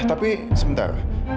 eh tapi sebentar